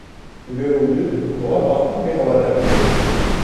Divê hundir bi hewaya paqîj bê hawadarkirin